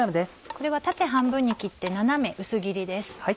これは縦半分に切って斜め薄切りです。